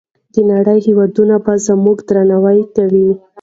د نړۍ هېوادونه به زموږ درناوی کوي.